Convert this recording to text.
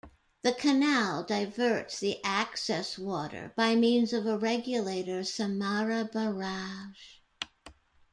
The canal diverts the access water, by means of a regulator Samarra Barrage.